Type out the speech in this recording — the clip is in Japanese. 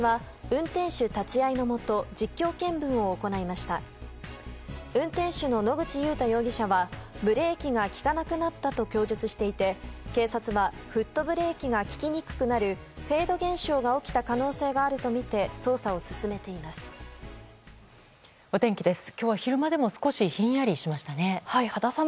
運転手の野口祐太容疑者はブレーキが利かなくなったと供述していて警察はフットブレーキが利きにくくなるフェード現象が起きた可能性があるとみて捜査を進めています。